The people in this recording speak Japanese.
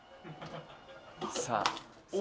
「さあ」